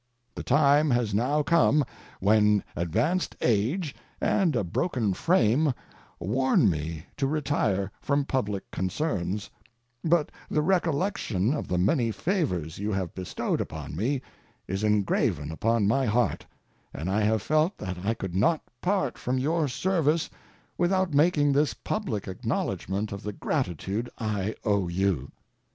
The time has now come when advanced age and a broken frame warn me to retire from public concerns, but the recollection of the many favors you have bestowed upon me is engraven upon my heart, and I have felt that I could not part from your service without making this public acknowledgment of the gratitude I owe you.